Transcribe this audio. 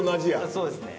そうですね。